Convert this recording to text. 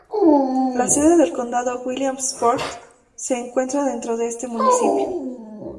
La sede del condado, Williamsport, se encuentra dentro de este municipio.